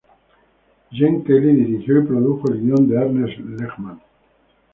Gene Kelly dirigió y produjo el guion de Ernest Lehman.